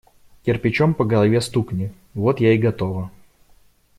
Кирпичом по голове стукни – вот я и готова.